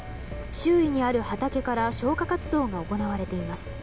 周囲にある畑から消火活動が行われています。